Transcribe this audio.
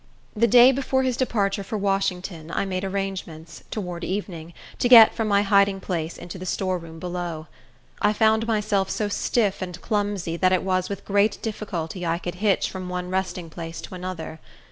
The day before his departure for Washington I made arrangements, toward evening, to get from my hiding place into the storeroom below. I found myself so stiff and clumsy that it was with great difficulty I could hitch from one resting place to another.